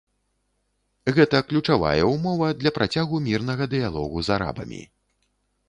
Гэта ключавая ўмова для працягу мірнага дыялогу з арабамі.